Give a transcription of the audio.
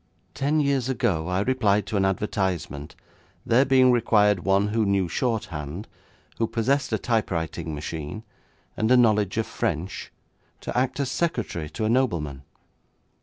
'Ten years ago I replied to an advertisement, there being required one who knew shorthand, who possessed a typewriting machine and a knowledge of French, to act as secretary to a nobleman.